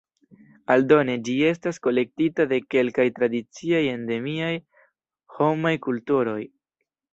Aldone, ĝi estas kolektita de kelkaj tradiciaj endemiaj homaj kulturoj.